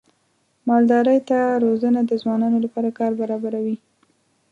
مالدارۍ ته روزنه د ځوانانو لپاره کار برابروي.